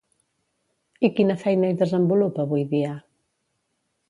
I quina feina hi desenvolupa avui dia?